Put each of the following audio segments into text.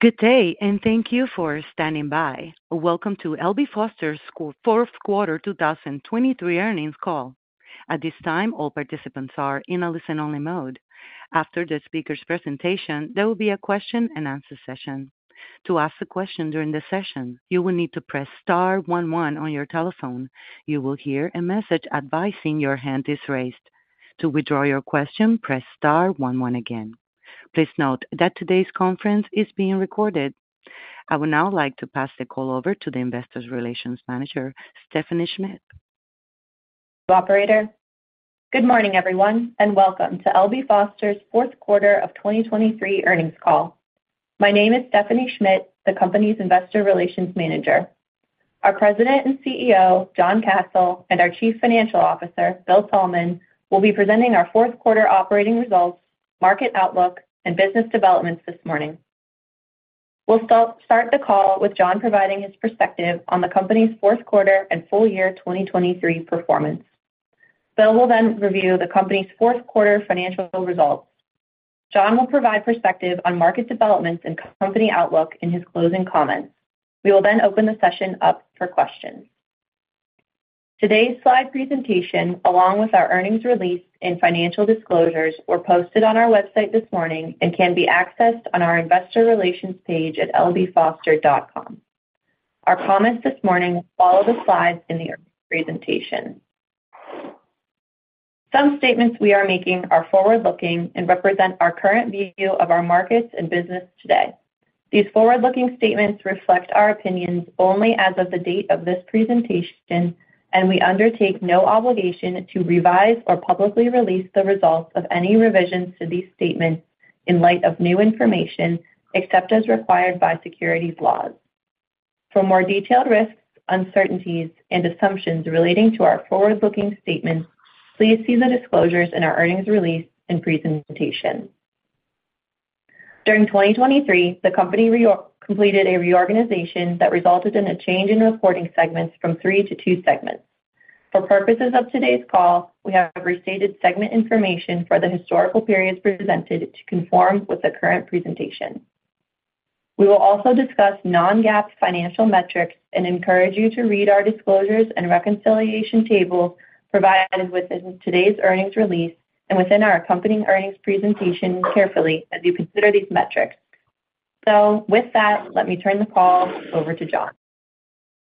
Good day and thank you for standing by. Welcome to L.B. Foster's 4th quarter 2023 earnings call. At this time, all participants are in a listen-only mode. After the speaker's presentation, there will be a question-and-answer session. To ask a question during the session, you will need to press star one one on your telephone. You will hear a message advising your hand is raised. To withdraw your question, press star one one again. Please note that today's conference is being recorded. I would now like to pass the call over to the Investor Relations Manager, Stephanie Schmidt. Operator, good morning everyone and welcome to L.B. Foster's 4th quarter of 2023 earnings call. My name is Stephanie Schmidt, the company's Investor Relations Manager. Our President and CEO, John Kasel, and our Chief Financial Officer, Bill Thalman, will be presenting our 4th quarter operating results, market outlook, and business developments this morning. We'll start the call with John providing his perspective on the company's 4th quarter and full year 2023 performance. Bill will then review the company's 4th quarter financial results. John will provide perspective on market developments and company outlook in his closing comments. We will then open the session up for questions. Today's slide presentation, along with our earnings release and financial disclosures, were posted on our website this morning and can be accessed on our Investor Relations page at LBFoster.com. Our comments this morning follow the slides in the earnings presentation. Some statements we are making are forward-looking and represent our current view of our markets and business today. These forward-looking statements reflect our opinions only as of the date of this presentation, and we undertake no obligation to revise or publicly release the results of any revisions to these statements in light of new information, except as required by securities laws. For more detailed risks, uncertainties, and assumptions relating to our forward-looking statements, please see the disclosures in our earnings release and presentation. During 2023, the company completed a reorganization that resulted in a change in reporting segments from three to two segments. For purposes of today's call, we have restated segment information for the historical periods presented to conform with the current presentation. We will also discuss non-GAAP financial metrics and encourage you to read our disclosures and reconciliation tables provided within today's earnings release and within our accompanying earnings presentation carefully as you consider these metrics. So with that, let me turn the call over to John.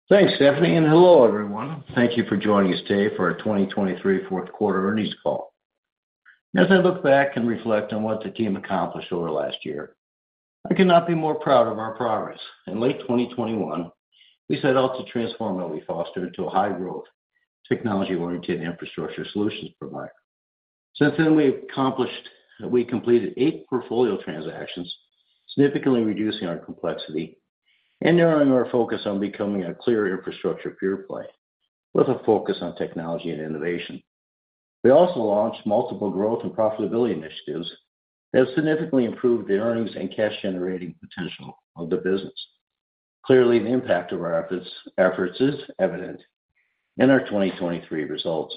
Thanks, Stephanie, and hello everyone. Thank you for joining us today for our 2023 4th quarter earnings call. As I look back and reflect on what the team accomplished over last year, I cannot be more proud of our progress. In late 2021, we set out to transform L.B. Foster into a high-growth, technology-oriented infrastructure solutions provider. Since then, we completed eight portfolio transactions, significantly reducing our complexity and narrowing our focus on becoming a clear infrastructure pure play, with a focus on technology and innovation. We also launched multiple growth and profitability initiatives that have significantly improved the earnings and cash-generating potential of the business. Clearly, the impact of our efforts is evident in our 2023 results.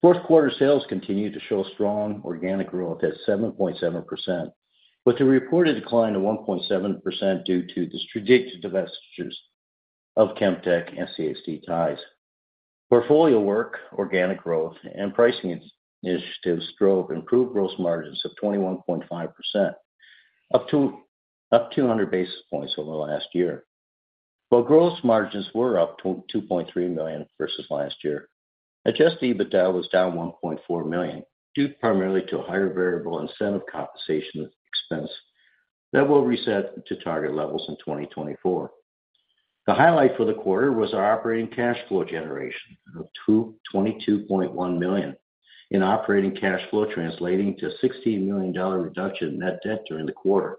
Fourth quarter sales continued to show strong organic growth at 7.7%, with a reported decline of 1.7% due to the strategic divestitures of Chemtec and CXT ties. Portfolio work, organic growth, and pricing initiatives drove improved gross margins of 21.5%, up 200 basis points over the last year. While gross margins were up $2.3 million versus last year, Adjusted EBITDA was down $1.4 million due primarily to a higher variable incentive compensation expense that will reset to target levels in 2024. The highlight for the quarter was our operating cash flow generation of $22.1 million in operating cash flow, translating to a $16 million reduction in net debt during the quarter.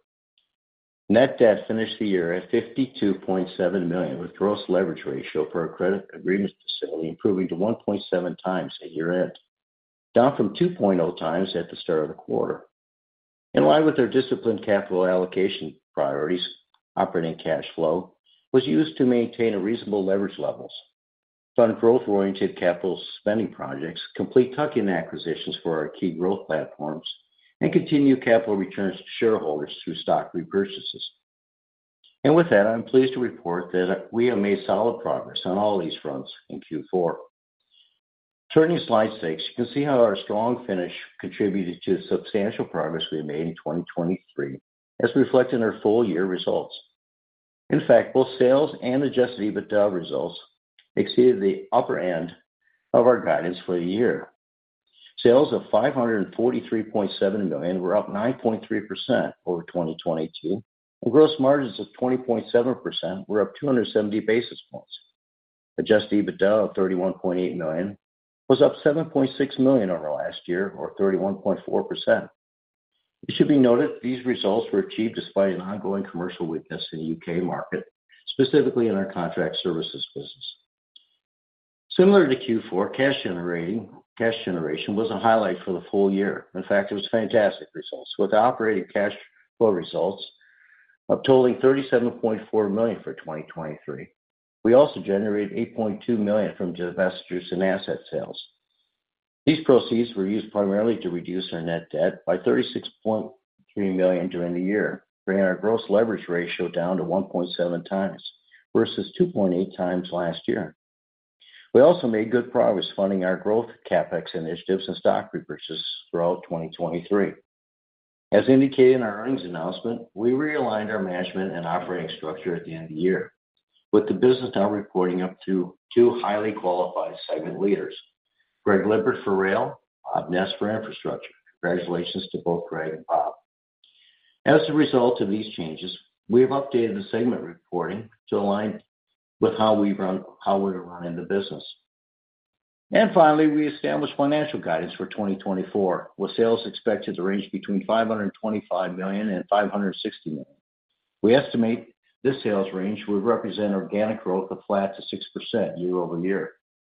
Net debt finished the year at $52.7 million with Gross Leverage Ratio per credit agreement facility improving to 1.7x at year-end, down from 2.0x at the start of the quarter. In line with our disciplined capital allocation priorities, operating cash flow was used to maintain reasonable leverage levels, fund growth-oriented capital spending projects, complete tuck-in acquisitions for our key growth platforms, and continue capital returns to shareholders through stock repurchases. With that, I'm pleased to report that we have made solid progress on all these fronts in Q4. Turning to Slide six, you can see how our strong finish contributed to the substantial progress we made in 2023 as reflected in our full year results. In fact, both sales and Adjusted EBITDA results exceeded the upper end of our guidance for the year. Sales of $543.7 million were up 9.3% over 2022, and gross margins of 20.7% were up 270 basis points. Adjusted EBITDA of $31.8 million was up $7.6 million over last year, or 31.4%. It should be noted these results were achieved despite an ongoing commercial weakness in the UK market, specifically in our contract services business. Similar to Q4, cash generation was a highlight for the full year. In fact, it was fantastic results. With operating cash flow results up totaling $37.4 million for 2023, we also generated $8.2 million from divestitures and asset sales. These proceeds were used primarily to reduce our Net Debt by $36.3 million during the year, bringing our Gross Leverage Ratio down to 1.7x versus 2.8x last year. We also made good progress funding our growth CapEx initiatives and stock repurchase throughout 2023. As indicated in our earnings announcement, we realigned our management and operating structure at the end of the year, with the business now reporting up to two highly qualified segment leaders, Greg Lippard for rail, Bob Bauer for infrastructure. Congratulations to both Greg and Bob. As a result of these changes, we have updated the segment reporting to align with how we're running the business. Finally, we established financial guidance for 2024, with sales expected to range between $525 million-$560 million. We estimate this sales range would represent organic growth of flat to 6% year-over-year.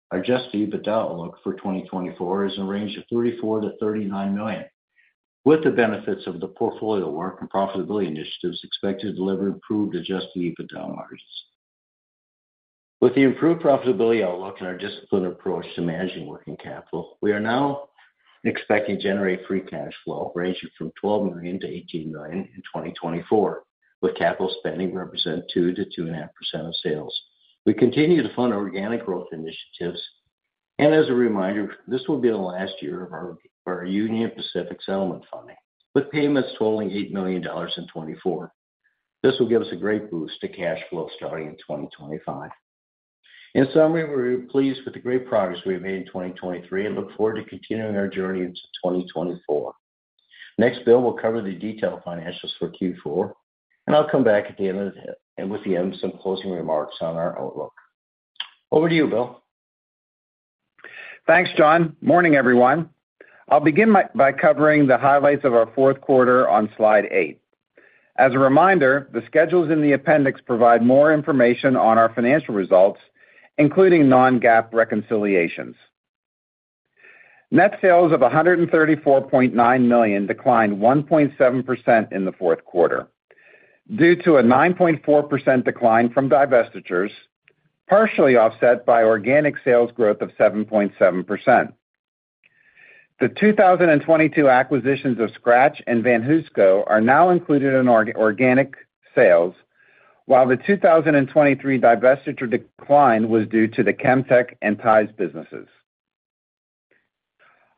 Our adjusted EBITDA outlook for 2024 is in the range of $34 million-$39 million, with the benefits of the portfolio work and profitability initiatives expected to deliver improved adjusted EBITDA margins. With the improved profitability outlook and our disciplined approach to managing working capital, we are now expecting to generate free cash flow ranging from $12 million-$18 million in 2024, with capital spending representing 2%-2.5% of sales. We continue to fund organic growth initiatives. As a reminder, this will be the last year of our Union Pacific settlement funding, with payments totaling $8 million in 2024. This will give us a great boost to cash flow starting in 2025. In summary, we're pleased with the great progress we have made in 2023 and look forward to continuing our journey into 2024. Next, Bill will cover the detailed financials for Q4, and I'll come back at the end with some closing remarks on our outlook. Over to you, Bill. Thanks, John. Morning, everyone. I'll begin by covering the highlights of our 4th quarter on slide 8. As a reminder, the schedules in the appendix provide more information on our financial results, including non-GAAP reconciliations. Net sales of $134.9 million declined 1.7% in the 4th quarter due to a 9.4% decline from divestitures, partially offset by organic sales growth of 7.7%. The 2022 acquisitions of Skratch and VanHooseCo are now included in organic sales, while the 2023 divestiture decline was due to the Chemtec and Ties businesses.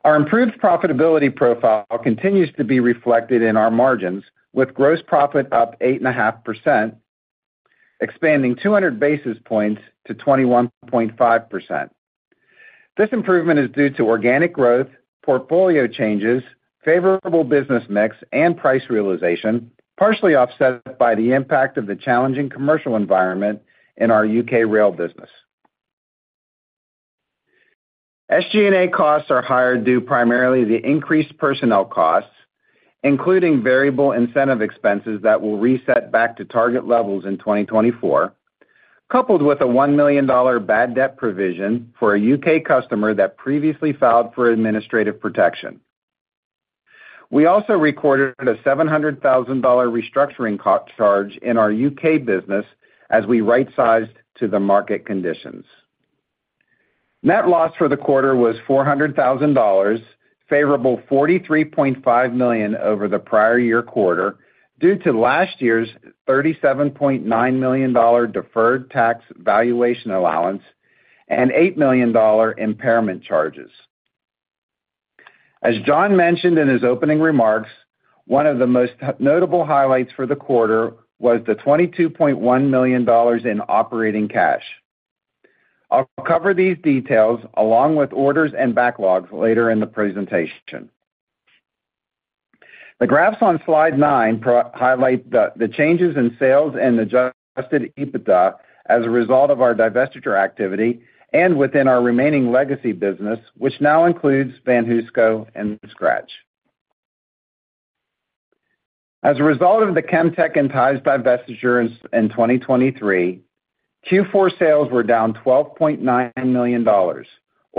Our improved profitability profile continues to be reflected in our margins, with gross profit up 8.5%, expanding 200 basis points to 21.5%. This improvement is due to organic growth, portfolio changes, favorable business mix, and price realization, partially offset by the impact of the challenging commercial environment in our UK rail business. SG&A costs are higher due primarily to increased personnel costs, including variable incentive expenses that will reset back to target levels in 2024, coupled with a $1 million bad debt provision for a UK customer that previously filed for administrative protection. We also recorded a $700,000 restructuring charge in our UK business as we right-sized to the market conditions. Net loss for the quarter was $400,000, favorable $43.5 million over the prior year quarter due to last year's $37.9 million deferred tax valuation allowance and $8 million impairment charges. As John mentioned in his opening remarks, one of the most notable highlights for the quarter was the $22.1 million in operating cash. I'll cover these details along with orders and backlogs later in the presentation. The graphs on slide 9 highlight the changes in sales and adjusted EBITDA as a result of our divestiture activity and within our remaining legacy business, which now includes VanHooseCo and Skratch. As a result of the Chemtec and Ties divestiture in 2023, Q4 sales were down $12.9 million, or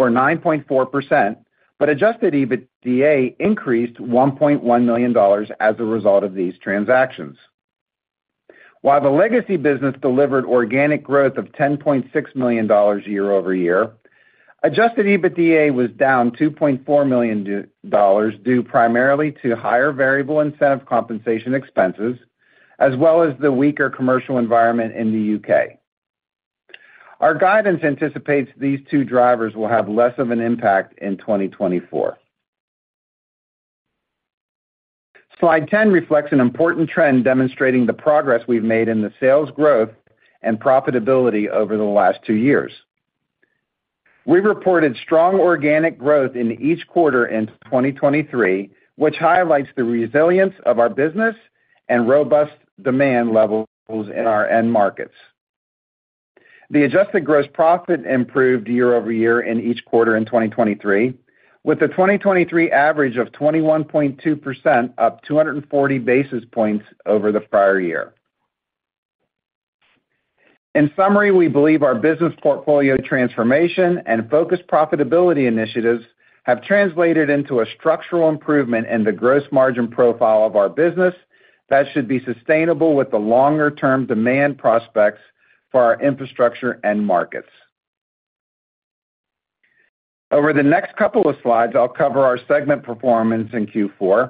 9.4%, but adjusted EBITDA increased $1.1 million as a result of these transactions. While the legacy business delivered organic growth of $10.6 million year-over-year, adjusted EBITDA was down $2.4 million due primarily to higher variable incentive compensation expenses as well as the weaker commercial environment in the UK. Our guidance anticipates these two drivers will have less of an impact in 2024. Slide 10 reflects an important trend demonstrating the progress we've made in the sales growth and profitability over the last two years. We reported strong organic growth in each quarter in 2023, which highlights the resilience of our business and robust demand levels in our end markets. The adjusted gross profit improved year-over-year in each quarter in 2023, with a 2023 average of 21.2%, up 240 basis points over the prior year. In summary, we believe our business portfolio transformation and focused profitability initiatives have translated into a structural improvement in the gross margin profile of our business that should be sustainable with the longer-term demand prospects for our infrastructure and markets. Over the next couple of slides, I'll cover our segment performance in Q4.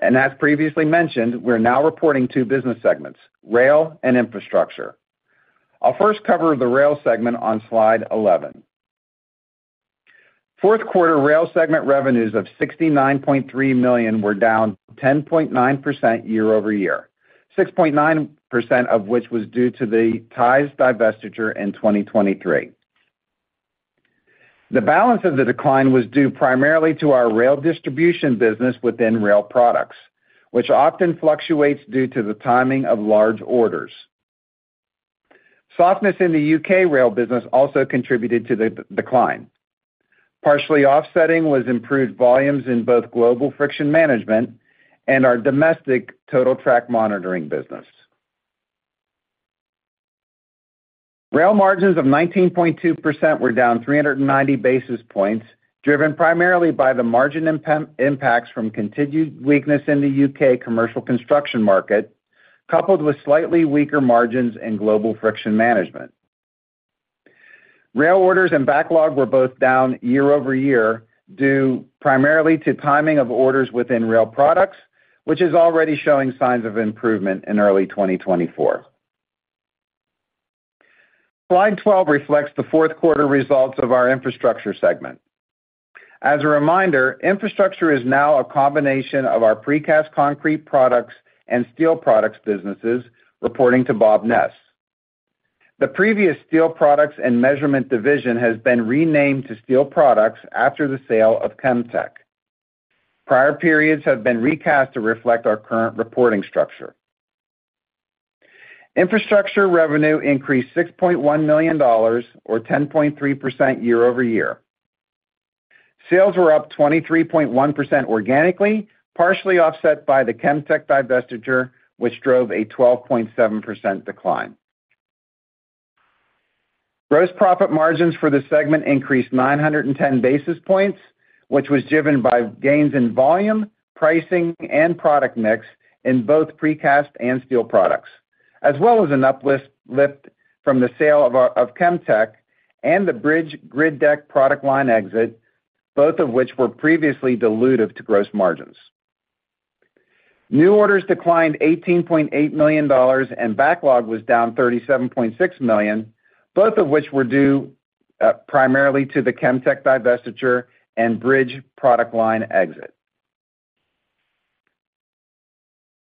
As previously mentioned, we're now reporting two business segments, rail and infrastructure. I'll first cover the rail segment on slide 11. Fourth quarter rail segment revenues of $69.3 million were down 10.9% year-over-year, 6.9% of which was due to the Ties divestiture in 2023. The balance of the decline was due primarily to our rail distribution business within Rail Products, which often fluctuates due to the timing of large orders. Softness in the U.K. rail business also contributed to the decline. Partially offsetting was improved volumes in both Global Friction Management and our domestic Total Track Monitoring business. Rail margins of 19.2% were down 390 basis points, driven primarily by the margin impacts from continued weakness in the U.K. commercial construction market, coupled with slightly weaker margins in Global Friction Management. Rail orders and backlog were both down year-over-year due primarily to timing of orders within Rail Products, which is already showing signs of improvement in early 2024. Slide 12 reflects the fourth quarter results of our infrastructure segment. As a reminder, infrastructure is now a combination of our precast concrete products and steel products businesses reporting to Bob Ness. The previous steel products and measurement division has been renamed to steel products after the sale of Chemtec. Prior periods have been recast to reflect our current reporting structure. Infrastructure revenue increased $6.1 million, or 10.3% year-over-year. Sales were up 23.1% organically, partially offset by the Chemtec divestiture, which drove a 12.7% decline. Gross profit margins for the segment increased 910 basis points, which was driven by gains in volume, pricing, and product mix in both precast and steel products, as well as an uplift from the sale of Chemtec and the Bridge Grid Deck product line exit, both of which were previously dilutive to gross margins. New orders declined $18.8 million, and backlog was down $37.6 million, both of which were due primarily to the Chemtec divestiture and bridge product line exit.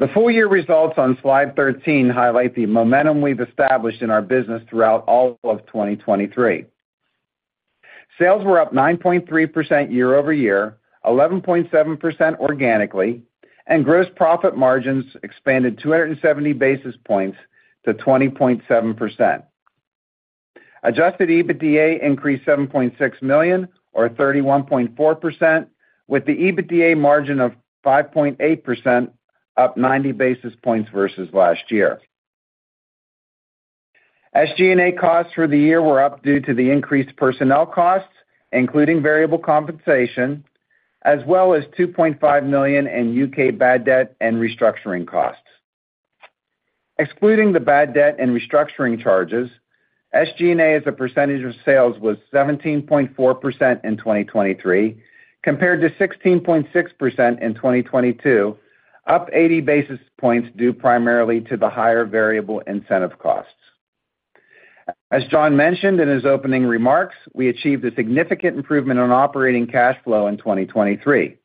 The full year results on slide 13 highlight the momentum we've established in our business throughout all of 2023. Sales were up 9.3% year-over-year, 11.7% organically, and gross profit margins expanded 270 basis points to 20.7%. Adjusted EBITDA increased $7.6 million, or 31.4%, with the EBITDA margin of 5.8%, up 90 basis points versus last year. SG&A costs for the year were up due to the increased personnel costs, including variable compensation, as well as $2.5 million in UK bad debt and restructuring costs. Excluding the bad debt and restructuring charges, SG&A's percentage of sales was 17.4% in 2023, compared to 16.6% in 2022, up 80 basis points due primarily to the higher variable incentive costs. As John mentioned in his opening remarks, we achieved a significant improvement in operating cash flow in 2023,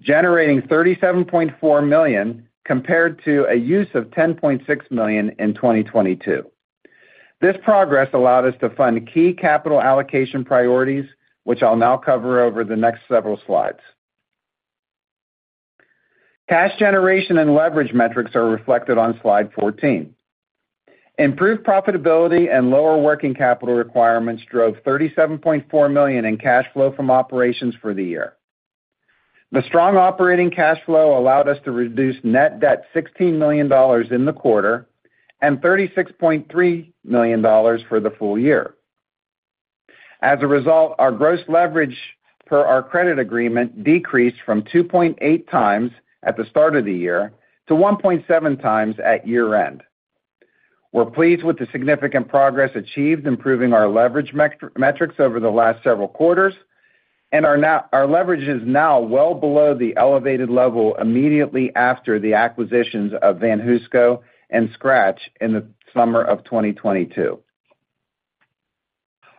generating $37.4 million compared to a use of $10.6 million in 2022. This progress allowed us to fund key capital allocation priorities, which I'll now cover over the next several slides. Cash generation and leverage metrics are reflected on slide 14. Improved profitability and lower working capital requirements drove $37.4 million in cash flow from operations for the year. The strong operating cash flow allowed us to reduce net debt $16 million in the quarter and $36.3 million for the full year. As a result, our gross leverage per our credit agreement decreased from 2.8x at the start of the year to 1.7x at year-end. We're pleased with the significant progress achieved improving our leverage metrics over the last several quarters, and our leverage is now well below the elevated level immediately after the acquisitions of VanHooseCo and Skratch in the summer of 2022.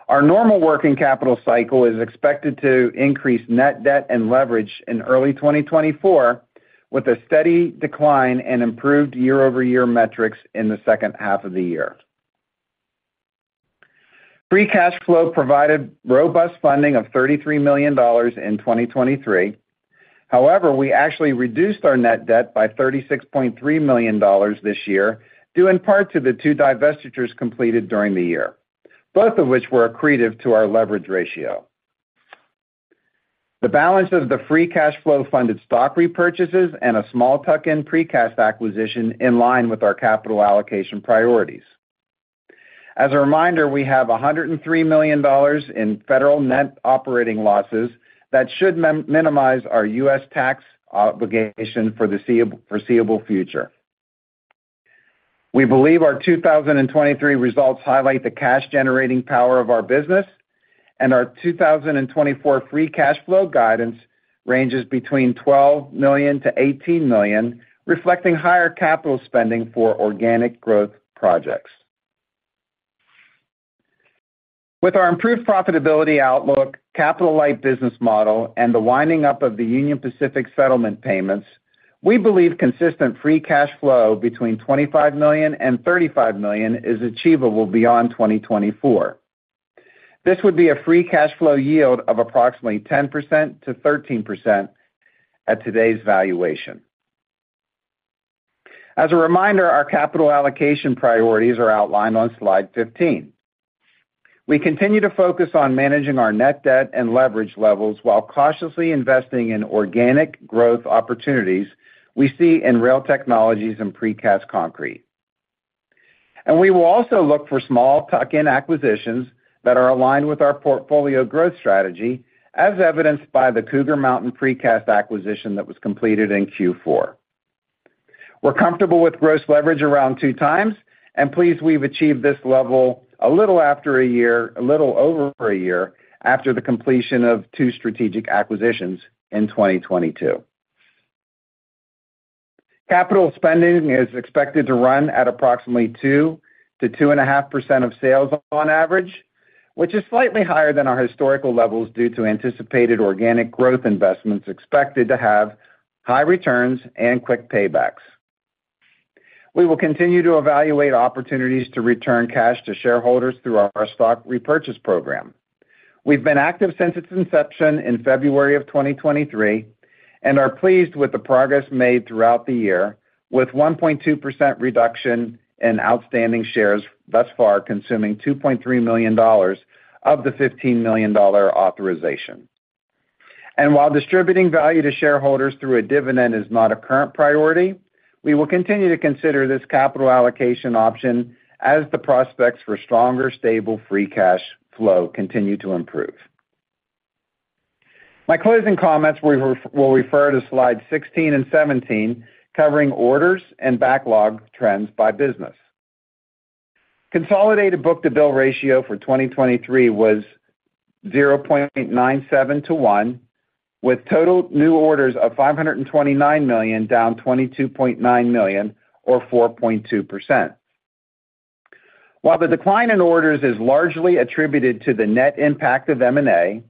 Our normal working capital cycle is expected to increase Net Debt and leverage in early 2024, with a steady decline and improved year-over-year metrics in the second half of the year. Free Cash Flow provided robust funding of $33 million in 2023. However, we actually reduced our Net Debt by $36.3 million this year, due in part to the two divestitures completed during the year, both of which were accretive to our leverage ratio. The balance of the Free Cash Flow funded stock repurchases and a small tuck-in precast acquisition in line with our capital allocation priorities. As a reminder, we have $103 million in federal Net Operating Losses that should minimize our U.S. tax obligation for the foreseeable future. We believe our 2023 results highlight the cash-generating power of our business, and our 2024 Free Cash Flow guidance ranges between $12 million-$18 million, reflecting higher capital spending for organic growth projects. With our improved profitability outlook, capital-light business model, and the winding up of the Union Pacific settlement payments, we believe consistent Free Cash Flow between $25 million and $35 million is achievable beyond 2024. This would be a Free Cash Flow yield of approximately 10%-13% at today's valuation. As a reminder, our capital allocation priorities are outlined on slide 15. We continue to focus on managing our Net Debt and leverage levels while cautiously investing in organic growth opportunities we see in rail technologies and precast concrete. We will also look for small tuck-in acquisitions that are aligned with our portfolio growth strategy, as evidenced by the Cougar Mountain Precast acquisition that was completed in Q4. We're comfortable with gross leverage around 2x, and please, we've achieved this level a little after a year, a little over a year after the completion of two strategic acquisitions in 2022. Capital spending is expected to run at approximately 2%-2.5% of sales on average, which is slightly higher than our historical levels due to anticipated organic growth investments expected to have high returns and quick paybacks. We will continue to evaluate opportunities to return cash to shareholders through our stock repurchase program. We've been active since its inception in February of 2023 and are pleased with the progress made throughout the year, with 1.2% reduction in outstanding shares thus far consuming $2.3 million of the $15 million authorization. While distributing value to shareholders through a dividend is not a current priority, we will continue to consider this capital allocation option as the prospects for stronger, stable free cash flow continue to improve. My closing comments will refer to slides 16 and 17, covering orders and backlog trends by business. Consolidated book-to-bill ratio for 2023 was 0.97 to one, with total new orders of $529 million down $22.9 million, or 4.2%. While the decline in orders is largely attributed to the net impact of M&A,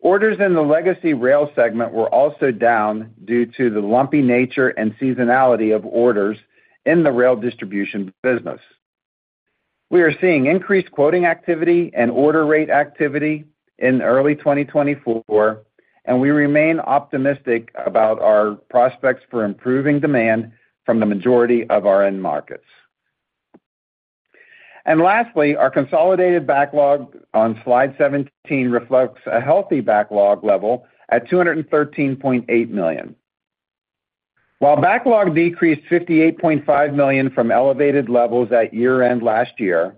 orders in the legacy rail segment were also down due to the lumpy nature and seasonality of orders in the rail distribution business. We are seeing increased quoting activity and order rate activity in early 2024, and we remain optimistic about our prospects for improving demand from the majority of our end markets. Lastly, our consolidated backlog on slide 17 reflects a healthy backlog level at $213.8 million. While backlog decreased $58.5 million from elevated levels at year-end last year,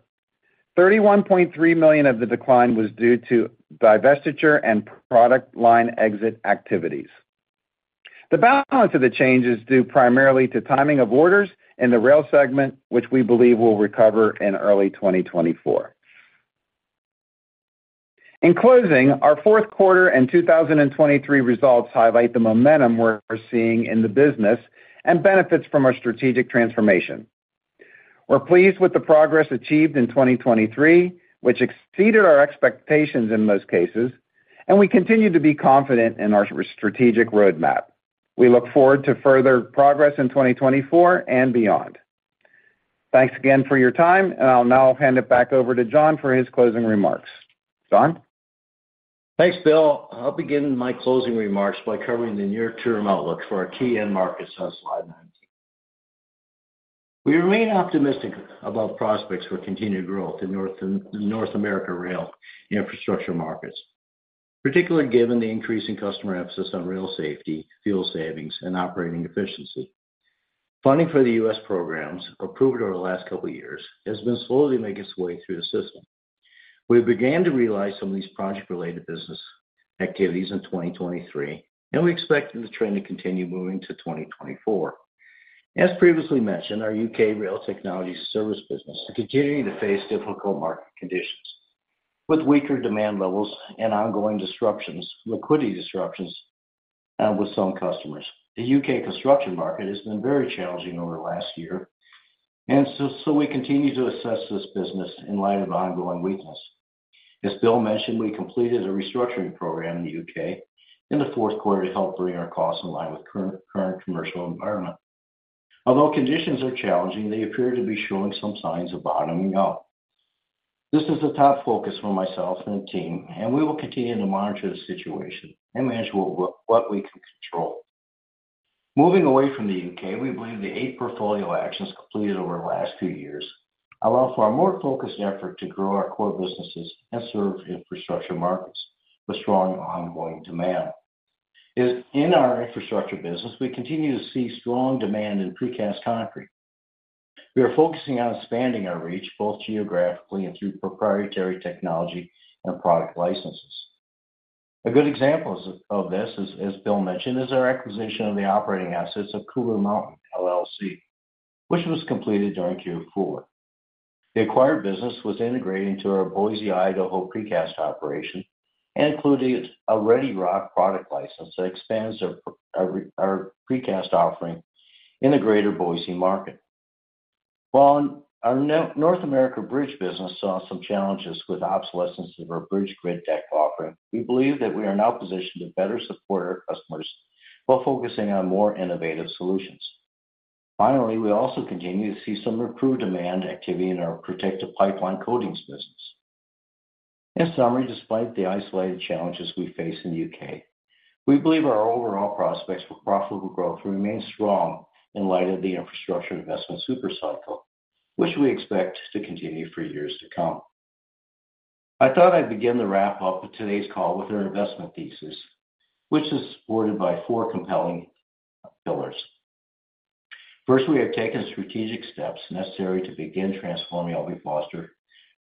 $31.3 million of the decline was due to divestiture and product line exit activities. The balance of the change is due primarily to timing of orders in the rail segment, which we believe will recover in early 2024. In closing, our fourth quarter and 2023 results highlight the momentum we're seeing in the business and benefits from our strategic transformation. We're pleased with the progress achieved in 2023, which exceeded our expectations in most cases, and we continue to be confident in our strategic roadmap. We look forward to further progress in 2024 and beyond. Thanks again for your time, and I'll now hand it back over to John for his closing remarks. John? Thanks, Bill. I'll begin my closing remarks by covering the near-term outlook for our key end markets on slide 19. We remain optimistic about prospects for continued growth in North America rail infrastructure markets, particularly given the increasing customer emphasis on rail safety, fuel savings, and operating efficiency. Funding for the US programs, approved over the last couple of years, has been slowly making its way through the system. We began to realize some of these project-related business activities in 2023, and we expect the trend to continue moving to 2024. As previously mentioned, our UK. rail technologies service business is continuing to face difficult market conditions. With weaker demand levels and ongoing disruptions, liquidity disruptions with some customers, the UK. construction market has been very challenging over the last year, and so we continue to assess this business in light of ongoing weakness. As Bill mentioned, we completed a restructuring program in the UK in the fourth quarter to help bring our costs in line with current commercial environment. Although conditions are challenging, they appear to be showing some signs of bottoming out. This is a top focus for myself and the team, and we will continue to monitor the situation and manage what we can control. Moving away from the UK, we believe the eight portfolio actions completed over the last few years allow for a more focused effort to grow our core businesses and serve infrastructure markets with strong ongoing demand. In our infrastructure business, we continue to see strong demand in Precast Concrete. We are focusing on expanding our reach, both geographically and through proprietary technology and product licenses. A good example of this, as Bill mentioned, is our acquisition of the operating assets of Cougar Mountain, LLC, which was completed during Q4. The acquired business was integrated into our Boise, Idaho precast operation and included a Redi-Rock product license that expands our precast offering in the greater Boise market. While our North America bridge business saw some challenges with obsolescence of our Bridge Grid Deck offering, we believe that we are now positioned to better support our customers while focusing on more innovative solutions. Finally, we also continue to see some improved demand activity in our Protective Pipeline Coatings business. In summary, despite the isolated challenges we face in the UK, we believe our overall prospects for profitable growth remain strong in light of the infrastructure investment supercycle, which we expect to continue for years to come. I thought I'd begin the wrap-up of today's call with our investment thesis, which is supported by four compelling pillars. First, we have taken strategic steps necessary to begin transforming L.B. Foster,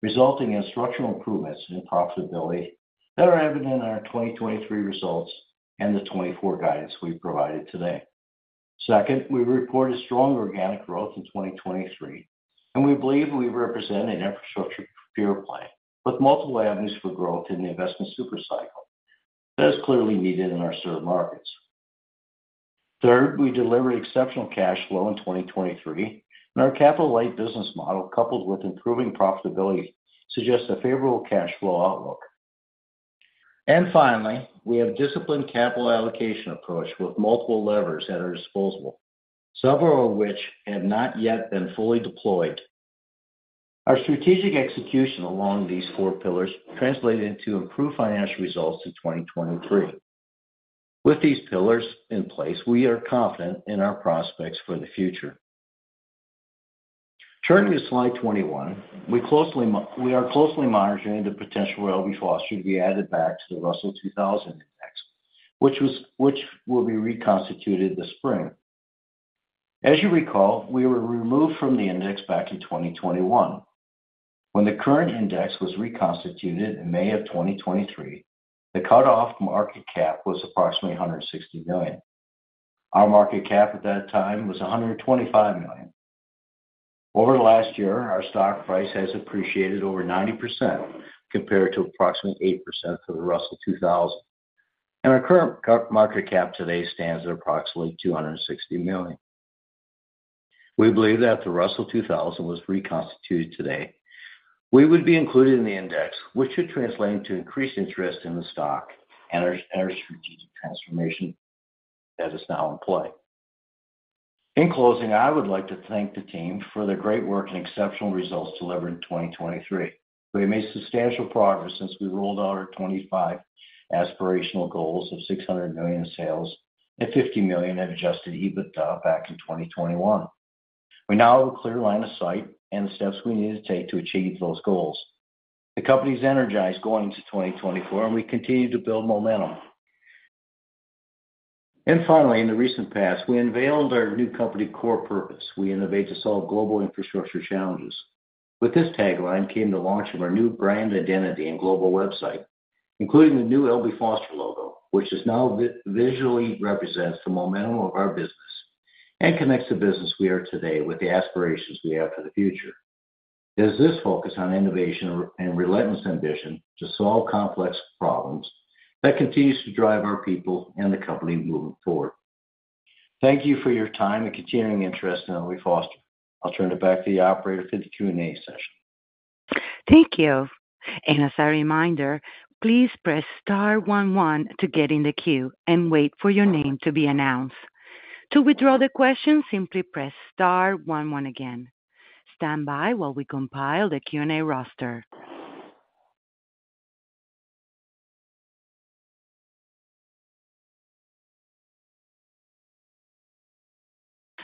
resulting in structural improvements in profitability that are evident in our 2023 results and the 2024 guidance we provided today. Second, we reported strong organic growth in 2023, and we believe we represent an infrastructure pure play with multiple avenues for growth in the investment supercycle that is clearly needed in our served markets. Third, we delivered exceptional cash flow in 2023, and our capital-light business model, coupled with improving profitability, suggests a favorable cash flow outlook. And finally, we have a disciplined capital allocation approach with multiple levers at our disposal, several of which have not yet been fully deployed. Our strategic execution along these four pillars translated into improved financial results in 2023. With these pillars in place, we are confident in our prospects for the future. Turning to slide 21, we are closely monitoring the potential for L.B. Foster to be added back to the Russell 2000 Index, which will be reconstituted this spring. As you recall, we were removed from the index back in 2021. When the current index was reconstituted in May of 2023, the cut-off market cap was approximately $160 million. Our market cap at that time was $125 million. Over the last year, our stock price has appreciated over 90% compared to approximately 8% for the Russell 2000, and our current market cap today stands at approximately $260 million. We believe that if the Russell 2000 was reconstituted today, we would be included in the index, which should translate into increased interest in the stock and our strategic transformation that is now in play. In closing, I would like to thank the team for their great work and exceptional results delivered in 2023. We have made substantial progress since we rolled out our 25 aspirational goals of $600 million in sales and $50 million in adjusted EBITDA back in 2021. We now have a clear line of sight and the steps we need to take to achieve those goals. The company is energized going into 2024, and we continue to build momentum. And finally, in the recent past, we unveiled our new company core purpose: we innovate to solve global infrastructure challenges. With this tagline came the launch of our new brand identity and global website, including the new L.B. Foster logo, which now visually represents the momentum of our business and connects the business we are today with the aspirations we have for the future. It is this focus on innovation and relentless ambition to solve complex problems that continues to drive our people and the company moving forward. Thank you for your time and continuing interest in L.B. Foster. I'll turn it back to the operator for the Q&A session. Thank you. As a reminder, please press star one one to get in the queue and wait for your name to be announced. To withdraw the question, simply press star 11 again. Stand by while we compile the Q&A roster.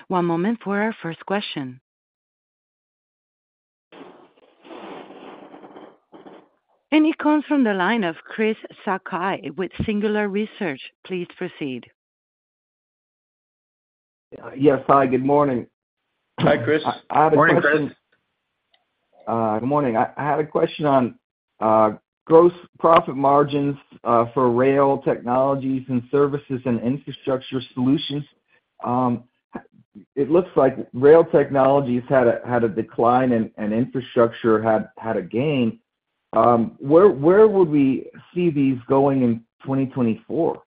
One moment for our first question. It comes from the line of Chris Sakai with Singular Research. Please proceed. Yes, hi. Good morning. Hi, Chris. Morning, Chris. Good morning. I had a question on growth profit margins for rail technologies and services and infrastructure solutions. It looks like rail technologies had a decline and infrastructure had a gain. Where would we see these going in 2024?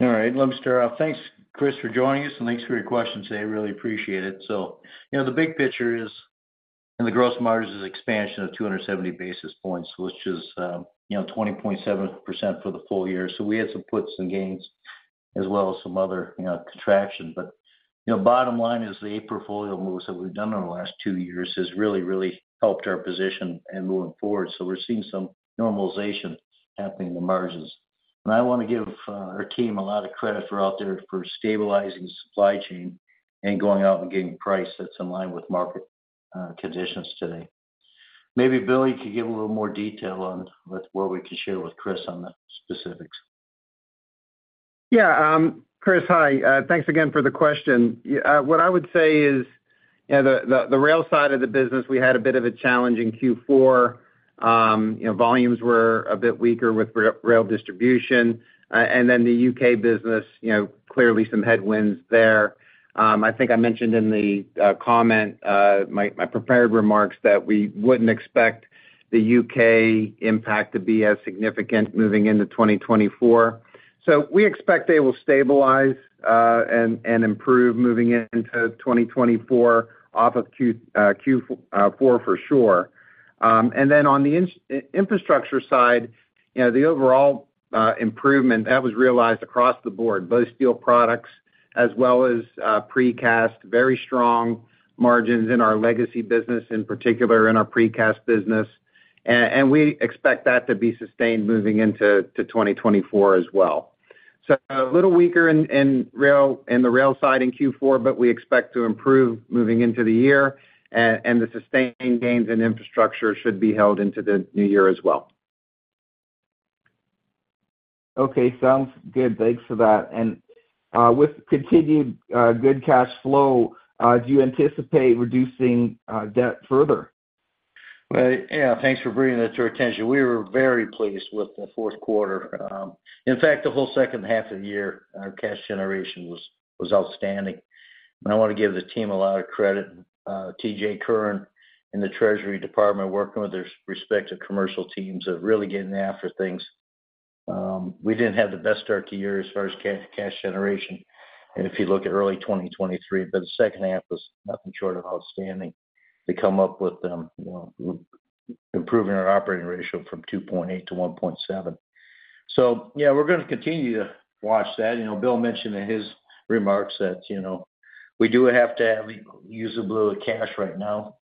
All right, I'll start out. Thanks, Chris, for joining us, and thanks for your questions today. I really appreciate it. So the big picture is and the gross margin is expansion of 270 basis points, which is 20.7% for the full year. So we had some puts and gains as well as some other contraction. But bottom line is the eight portfolio moves that we've done over the last two years have really, really helped our position moving forward. So we're seeing some normalization happening in the margins. And I want to give our team a lot of credit for out there for stabilizing the supply chain and going out and getting price that's in line with market conditions today. Maybe Billy could give a little more detail on what we can share with Chris on the specifics. Yeah, Chris, hi. Thanks again for the question. What I would say is the rail side of the business, we had a bit of a challenge in Q4. Volumes were a bit weaker with rail distribution. And then the UK business, clearly some headwinds there. I think I mentioned in the comment, my prepared remarks, that we wouldn't expect the UK impact to be as significant moving into 2024. So we expect they will stabilize and improve moving into 2024 off of Q4 for sure. And then on the infrastructure side, the overall improvement that was realized across the board, both steel products as well as precast, very strong margins in our legacy business, in particular in our precast business. And we expect that to be sustained moving into 2024 as well. A little weaker in the rail side in Q4, but we expect to improve moving into the year. The sustained gains in infrastructure should be held into the new year as well. Okay, sounds good. Thanks for that. And with continued good cash flow, do you anticipate reducing debt further? Well, yeah, thanks for bringing that to our attention. We were very pleased with the fourth quarter. In fact, the whole second half of the year, our cash generation was outstanding. And I want to give the team a lot of credit, TJ Kern and the Treasury Department working with their respective commercial teams of really getting after things. We didn't have the best start to year as far as cash generation, if you look at early 2023, but the second half was nothing short of outstanding to come up with improving our operating ratio from 2.8 to 1.7. So yeah, we're going to continue to watch that. Bill mentioned in his remarks that we do have to use a little cash right now.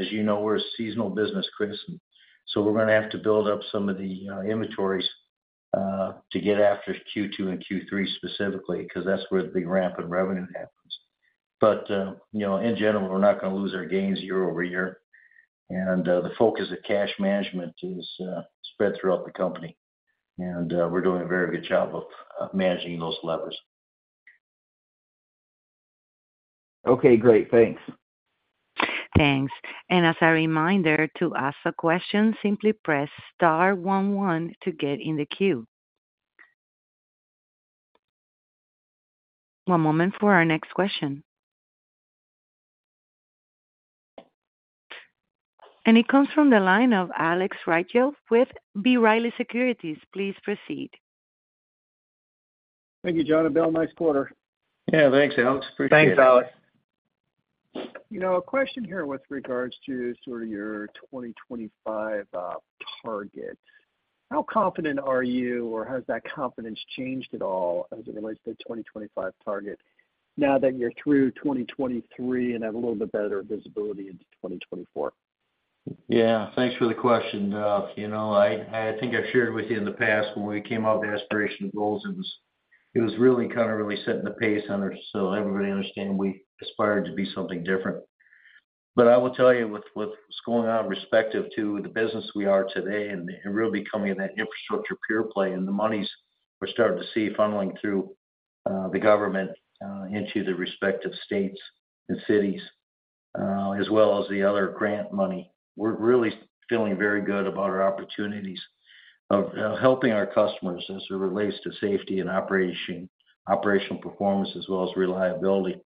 As you know, we're a seasonal business, Chris, so we're going to have to build up some of the inventories to get after Q2 and Q3 specifically because that's where the ramp in revenue happens. But in general, we're not going to lose our gains year-over-year. And the focus of cash management is spread throughout the company, and we're doing a very good job of managing those levers. Okay, great. Thanks. Thanks. And as a reminder, to ask a question, simply press star one one to get in the queue. One moment for our next question. And it comes from the line of Alex Rygiel with B. Riley Securities. Please proceed. Thank you, John. And Bill, nice quarter. Yeah, thanks, Alex. Appreciate it. Thanks, Alex. A question here with regards to sort of your 2025 target. How confident are you, or has that confidence changed at all as it relates to the 2025 target now that you're through 2023 and have a little bit better visibility into 2024? Yeah, thanks for the question. I think I've shared with you in the past when we came out with aspirational goals, it was really kind of really setting the pace on it so everybody understand we aspired to be something different. But I will tell you, with what's going on respective to the business we are today and really becoming that infrastructure pure play and the monies we're starting to see funneling through the government into the respective states and cities as well as the other grant money, we're really feeling very good about our opportunities of helping our customers as it relates to safety and operational performance as well as reliability.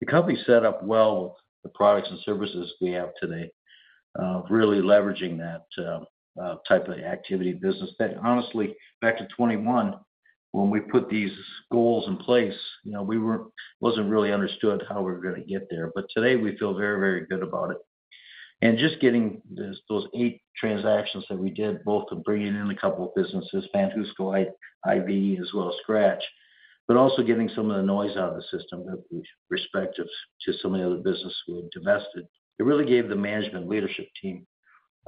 The company's set up well with the products and services we have today, really leveraging that type of activity business. Honestly, back to 2021, when we put these goals in place, it wasn't really understood how we were going to get there. But today, we feel very, very good about it. And just getting those 8 transactions that we did, both of bringing in a couple of businesses, Vanhusco, IV, as well as Skratch, but also getting some of the noise out of the system with respect to some of the other businesses we've divested, it really gave the management leadership team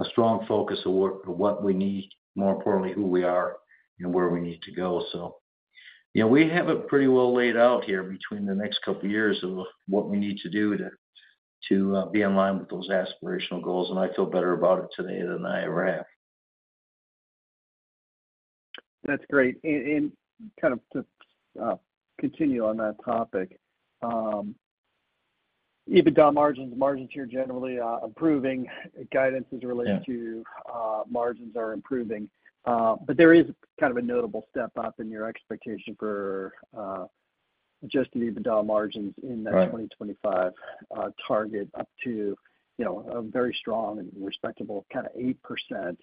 a strong focus of what we need, more importantly, who we are and where we need to go. So we have it pretty well laid out here between the next couple of years of what we need to do to be in line with those aspirational goals. And I feel better about it today than I ever have. That's great. And kind of to continue on that topic, EBITDA margins, margins here generally improving, guidance as it relates to margins are improving. But there is kind of a notable step up in your expectation for Adjusted EBITDA margins in that 2025 target up to a very strong and respectable kind of 8%.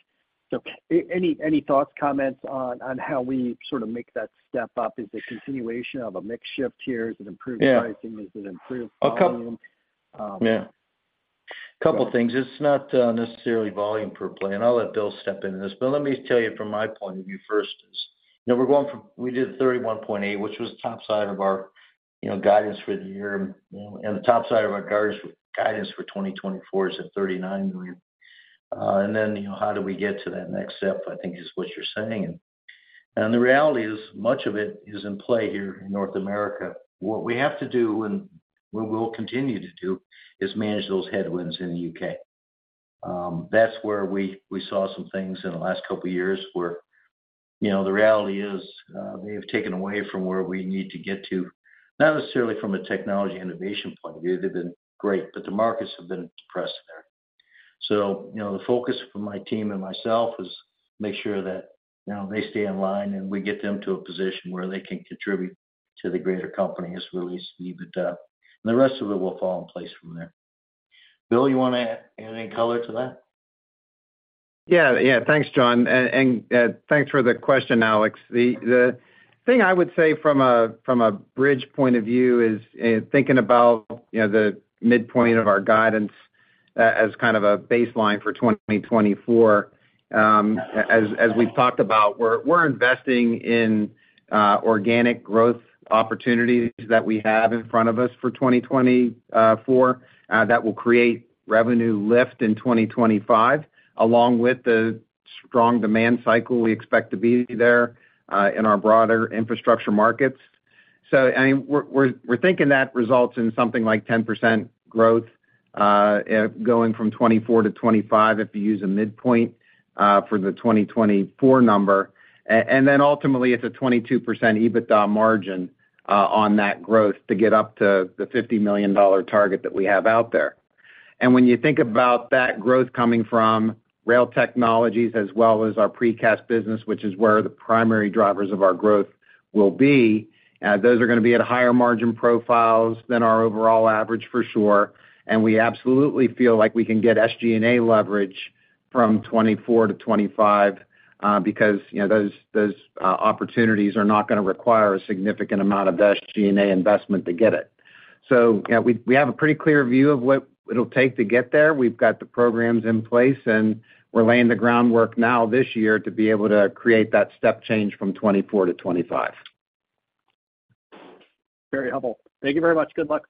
So any thoughts, comments on how we sort of make that step up? Is it a continuation of a mix shift here? Is it improved pricing? Is it improved volume? A couple of things. It's not necessarily volume per plan. I'll let Bill step in on this. But let me tell you from my point of view first is we did $31.8 million, which was the top side of our guidance for the year. The top side of our guidance for 2024 is at $39 million. Then how do we get to that next step, I think, is what you're saying. The reality is much of it is in play here in North America. What we have to do and what we'll continue to do is manage those headwinds in the UK. That's where we saw some things in the last couple of years where the reality is they have taken away from where we need to get to, not necessarily from a technology innovation point of view. They've been great, but the markets have been depressed there. The focus for my team and myself is to make sure that they stay in line and we get them to a position where they can contribute to the greater company as it relates to EBITDA. The rest of it will fall in place from there. Bill, you want to add any color to that? Yeah, yeah, thanks, John. And thanks for the question, Alex. The thing I would say from a bridge point of view is thinking about the midpoint of our guidance as kind of a baseline for 2024. As we've talked about, we're investing in organic growth opportunities that we have in front of us for 2024 that will create revenue lift in 2025 along with the strong demand cycle we expect to be there in our broader infrastructure markets. So I mean, we're thinking that results in something like 10% growth going from 2024 to 2025 if you use a midpoint for the 2024 number. And then ultimately, it's a 22% EBITDA margin on that growth to get up to the $50 million target that we have out there. When you think about that growth coming from rail technologies as well as our precast business, which is where the primary drivers of our growth will be, those are going to be at higher margin profiles than our overall average, for sure. We absolutely feel like we can get SG&A leverage from 2024 to 2025 because those opportunities are not going to require a significant amount of SG&A investment to get it. We have a pretty clear view of what it'll take to get there. We've got the programs in place, and we're laying the groundwork now this year to be able to create that step change from 2024 to 2025. Very helpful. Thank you very much. Good luck.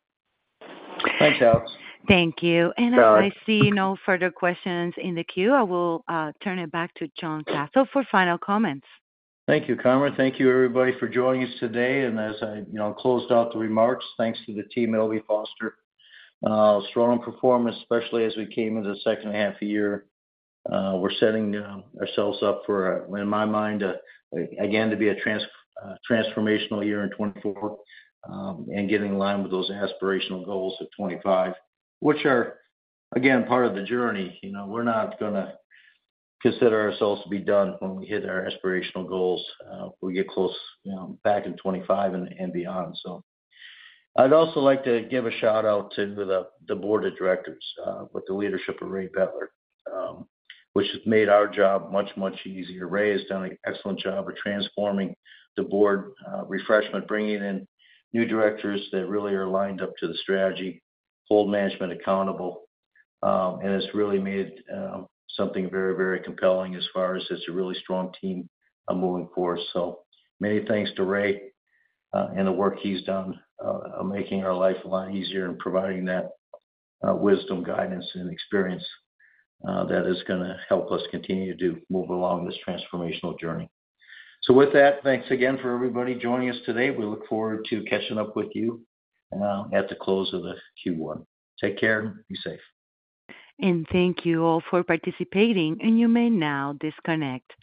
Thanks, Alex. Thank you. As I see no further questions in the queue, I will turn it back to John Kasel for final comments. Thank you, Connor. Thank you, everybody, for joining us today. As I closed out the remarks, thanks to the team, L.B. Foster. Strong performance, especially as we came into the second half of year. We're setting ourselves up for, in my mind, again, to be a transformational year in 2024 and getting in line with those aspirational goals of 2025, which are, again, part of the journey. We're not going to consider ourselves to be done when we hit our aspirational goals if we get close back in 2025 and beyond. So I'd also like to give a shout-out to the board of directors with the leadership of Ray Betler, which has made our job much, much easier. Ray has done an excellent job of transforming the board, refreshment, bringing in new directors that really are lined up to the strategy, hold management accountable. It's really made something very, very compelling as far as it's a really strong team moving forward. Many thanks to Ray and the work he's done making our life a lot easier and providing that wisdom, guidance, and experience that is going to help us continue to move along this transformational journey. So with that, thanks again for everybody joining us today. We look forward to catching up with you at the close of the Q1. Take care. Be safe. Thank you all for participating. You may now disconnect.